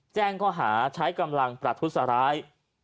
แจ้งข้อหาใช้กำลังประทุษร้าย